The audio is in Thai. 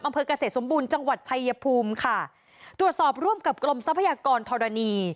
อำเภอกเกษตรสมบูรณ์จังหวัดชายภูมิค่ะตรวจสอบร่วมกับกรมทรัพยากรธรณี